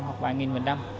hoặc vài nghìn một năm